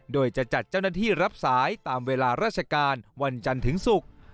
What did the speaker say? โดยจะจัดเจ้าหน้าที่รับสายตามเวลาราชการวันจันทร์ถึงศุกร์